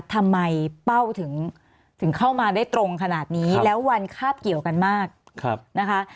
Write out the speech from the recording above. เป้าถึงเข้ามาได้ตรงขนาดนี้แล้ววันคาบเกี่ยวกันมากนะคะ